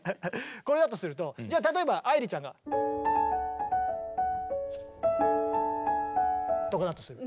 これだとするとじゃあ例えば愛理ちゃんが。とかだとする。